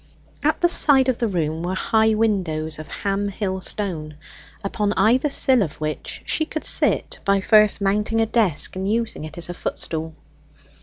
At the side of the room were high windows of Ham hill stone, upon either sill of which she could sit by first mounting a desk and using it as a footstool.